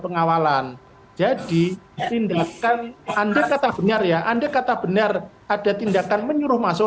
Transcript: pengawalan jadi tindakan anda kata benar ya anda kata benar ada tindakan menyuruh masuk